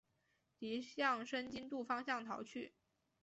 敌向申津渡方向逃去。